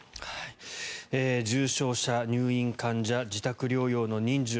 重症者、入院患者自宅療養の人数